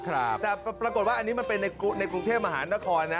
แต่ปรากฏว่าอันนี้มันเป็นในกรุงเทพมหานครนะ